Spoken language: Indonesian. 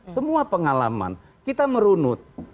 semua pengalaman kita merunut